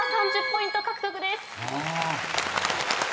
１０ポイント獲得です。